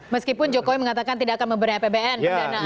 meskipun jokowi mengatakan tidak akan membebani apbn